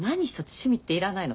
趣味って要らないの。